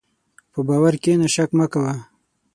په باور کښېنه، شک مه کوه.